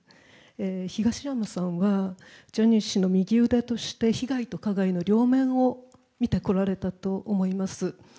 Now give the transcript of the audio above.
東山さんはジャニー氏の右腕として被害の両面を見てこられたと思います。